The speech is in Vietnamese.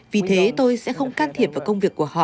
vì thế tôi sẽ không can thiệp vào công việc của họ